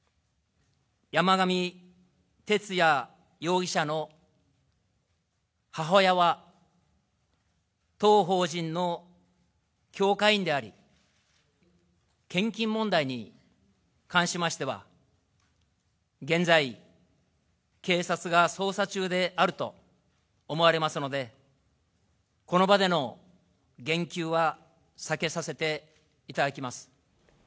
山上徹也容疑者の母親は、当法人の教会員であり、献金問題に関しましては、現在、警察が捜査中であると思われますので、この場での言及は避けさせていただきます。